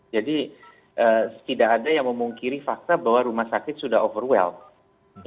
jadi tidak ada yang memungkiri fakta bahwa rumah sakit sudah overwhelmed